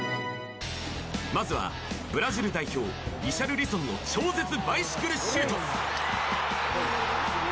まずはブラジル代表リシャルリソンの超絶バイシクルシュート。